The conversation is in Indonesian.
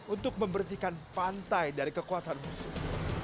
untuk membersihkan pantai dari kekuatan musuh